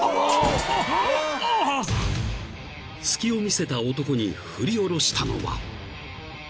［隙を見せた男に振り下ろしたのは］